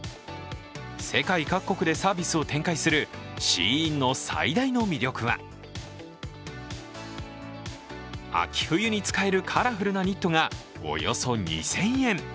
世界各国でサービスを展開するＳＨＥＩＮの最大の魅力は秋冬に使えるカラフルなニットがおよそ２０００円。